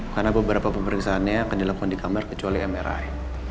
karena beberapa pemeriksaannya akan dilepon di kamar kecuali mri